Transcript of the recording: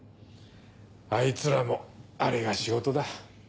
あいつらもあれが仕事だ。